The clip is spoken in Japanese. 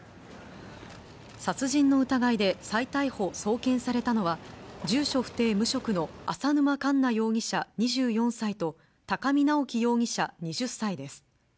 殺人の疑いで再逮捕・送検されたのは住所不定無職の浅沼かんな容疑者２４歳と、高見直輝容疑者２０歳です。